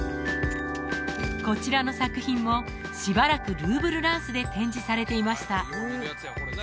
こちらの作品もしばらくルーブルランスで展示されていました